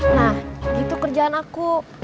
nah gitu kerjaan aku